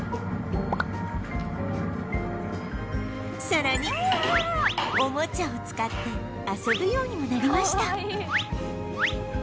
さらにおもちゃを使って遊ぶようにもなりました